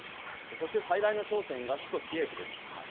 そして最大の焦点が首都キエフです。